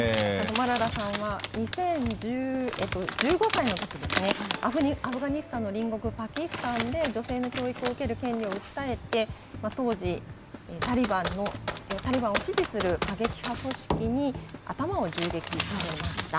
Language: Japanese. マララさんは１５歳のときですね、アフガニスタンの隣国、パキスタンで女性の教育を受ける権利を訴えて、当時、タリバンを支持する過激派組織に、頭を銃撃されました。